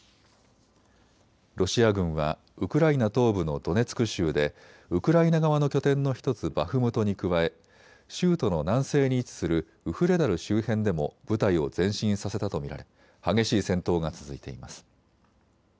ロシア軍はウクライナ東部のドネツク州でウクライナ側の拠点の１つ、バフムトに加え州都の南西に位置するウフレダル周辺でも部隊を前進させたと見られ激しい戦闘が続いています。